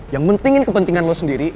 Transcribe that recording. yang pentingin kepentingan lo sendiri